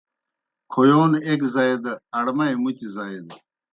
کھویون ایْک زائی، اڑمئی مُتیْ زائی دہ